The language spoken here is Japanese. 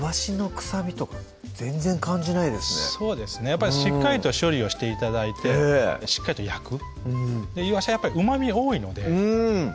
やっぱりしっかりと処理をして頂いてしっかりと焼くいわしはやっぱりうまみ多いのでうん